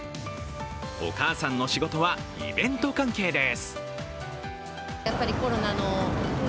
お母さんの仕事はイベント関係です。